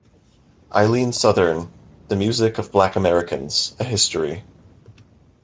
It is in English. Eileen Southern, "The Music of Black Americans: A History".